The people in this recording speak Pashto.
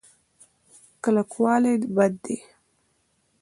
کلکوالی بد دی.